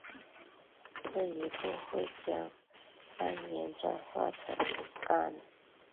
这一步会将铵盐转化成氨。